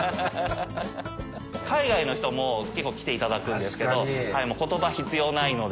海外の人も結構来ていただくんですけど言葉必要ないので。